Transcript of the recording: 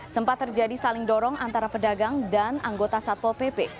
sempat terjadi saling dorong antara pedagang dan anggota satpol pp